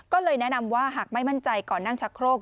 ก็เลยแนะนำว่าหากไม่มั่นใจก่อนนั่งชักโครก